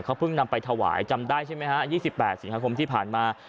เขาเพิ่งนำไปถวายจำได้ใช่ไหมฮะยี่สิบแปดสิงคโปร์ที่ผ่านมา